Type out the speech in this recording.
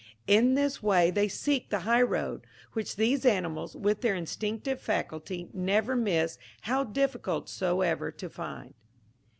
In this way they seek the high road, which these animals, with their instinctive faculty, never miss, how difficult soever to find.